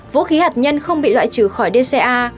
vũ khí hạt nhân không bị loại trừ khỏi dca